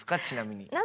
ちなみに。